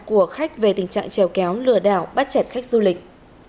của khách về tình trạng trèo kéo lừa đảo bắt chẹt khách du lịch